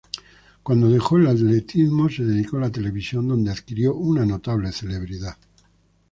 Cuando dejó el atletismo se dedicó a la televisión donde adquirió una notable celebridad.